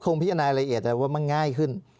พิจารณารายละเอียดแต่ว่ามันง่ายขึ้น